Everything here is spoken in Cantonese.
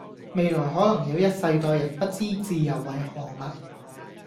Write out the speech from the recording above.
未來可能有一世代人不知自由為何物